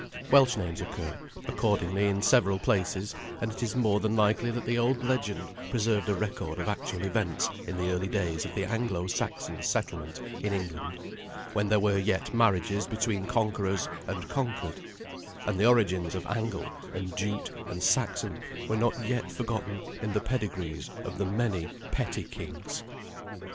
Welsh names occur, accordingly, in several places; and it is more than likely that the old legend preserved a record of actual events in the early days of the Anglo Saxon settlement in England, when there were yet marriages between conquerors and conquered, and the origins of Angle and Jute and Saxon were not yet forgotten in the pedigrees of the many petty kings.